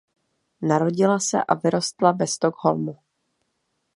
Narodila se a vyrostla ve Stockholmu.